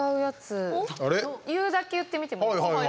言うだけ言ってみてもいいですか？